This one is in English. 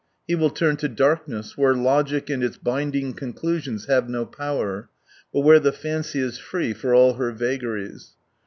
He will turn to darkness, where logic and its binding conclusions have no power, but where the fancy is free for all her vagaries.